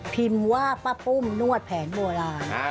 พิมพ์ว่าป้าปุ้มนวดแผนโบราณ